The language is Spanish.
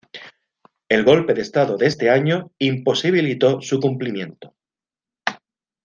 El golpe de estado de ese año imposibilitó su cumplimiento.